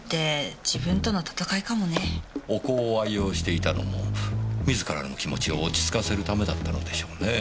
お香を愛用していたのも自らの気持ちを落ち着かせるためだったのでしょうね。